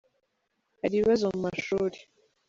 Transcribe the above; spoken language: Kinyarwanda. Hari ibibazo mu mashuri.